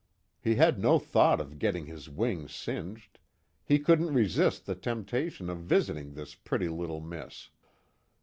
He had no thought of getting his wings singed; he couldn't resist the temptation of visiting this pretty little miss.